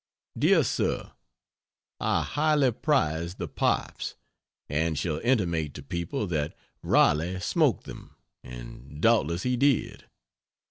DEAR SIR, I highly prize the pipes, and shall intimate to people that "Raleigh" smoked them, and doubtless he did.